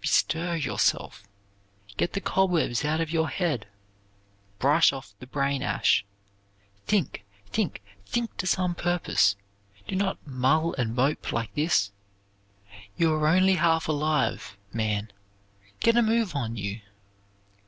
Bestir yourself; get the cobwebs out of your head; brush off the brain ash. Think, think, think to some purpose! Do not mull and mope like this. You are only half alive, man; get a move on you!"